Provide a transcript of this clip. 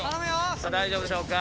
さあ大丈夫でしょうか？